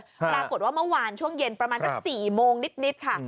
เมื่อวานช่วงเย็นประมาณสัก๔โมงนิดค่ะ